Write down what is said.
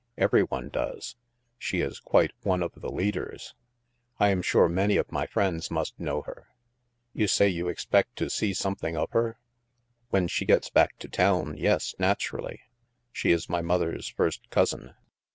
Every one does. She is quite one of the leaders. I am sure many of my friends must know her — You say you expect to see something of her?" " When she gets back to town ; yes, naturally. She is my mother's first cousin."